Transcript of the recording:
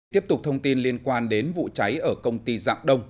tiếp tục thông tin liên quan đến vụ cháy ở công ty dạng đông